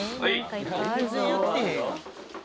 全然やってへんやん。